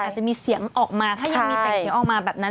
อาจจะมีเสียงออกมาถ้ายังมีแต่เสียงออกมาแบบนั้น